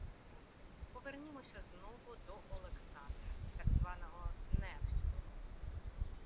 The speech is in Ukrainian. Повернімося знову до Олександра, так званого Невського